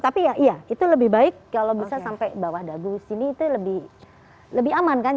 tapi ya itu lebih baik kalau bisa sampai bawah dagu sini itu lebih aman kan